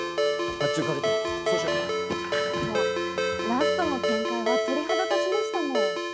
ラストの展開は鳥肌立ちましたもん。